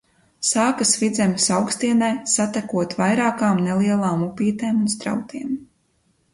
Sākas Vidzemes augstienē, satekot vairākām nelielām upītēm un strautiem.